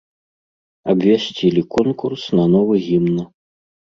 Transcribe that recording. Абвясцілі конкурс на новы гімн.